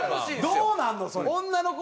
どうなんの？